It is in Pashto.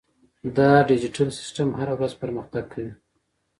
دا ډیجیټل سیستم هره ورځ پرمختګ کوي.